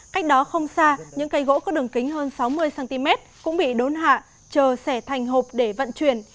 cách đó không xa những cây gỗ có đường kính hơn sáu mươi cm cũng bị đốn hạ chờ sẻ thành hộp để vận chuyển